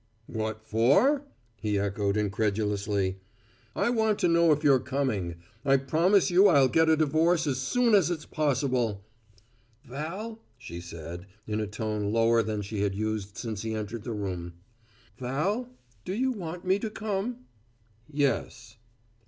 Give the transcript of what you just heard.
"What for?" he echoed incredulously. "I want to know if you're coming. I promise you I'll get a divorce as soon as it's possible " "Val," she said, in a tone lower than she had used since he entered the room; "Val, do you want me to come?" "Yes."